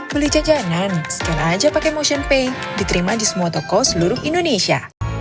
beli jajanan scan aja pake motionpay diterima di semua toko seluruh indonesia